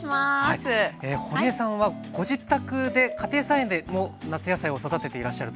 ほりえさんはご自宅で家庭菜園でも夏野菜を育てていらっしゃると。